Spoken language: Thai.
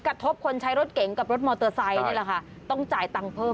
กระทบคนใช้รถเก๋งกับรถมอเตอร์ไซค์นี่แหละค่ะต้องจ่ายตังค์เพิ่ม